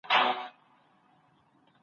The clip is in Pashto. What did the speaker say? دعوه د سړيتوب دي لا مشروطه بولم{یاره}